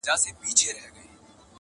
باغ او باغچه به ستا وي-